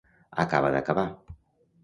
Acaba d'acabar.